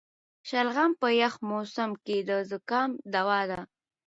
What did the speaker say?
شلغم په یخ موسم کې د زکام دوا ده.